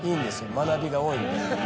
学びが多いんで。